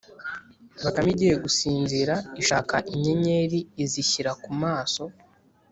Bakame igiye gusinzira ishaka inyenyeri izishyira ku maso,